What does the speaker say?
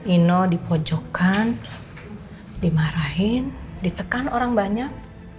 ino dipojokkan dimarahin ditekan orang banyak